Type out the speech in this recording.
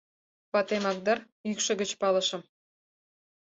Ватемак дыр, йӱкшӧ гыч палышым.